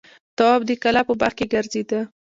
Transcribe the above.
تواب د کلا په باغ کې ګرځېده.